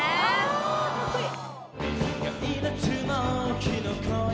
「ああかっこいい！」